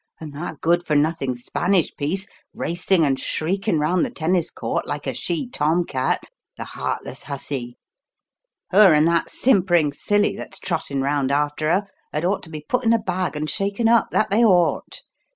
And that good for nothing Spanish piece racing and shrieking round the tennis court like a she tom cat, the heartless hussy. Her and that simpering silly that's trotting round after her had ought to be put in a bag and shaken up, that they ought.